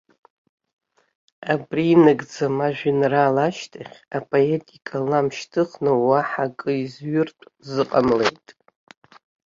Абри инагӡам ажәеинраала ашьҭахь, апоет икалам шьҭыхны, уаҳа акы изҩыртә дзыҟамлеит.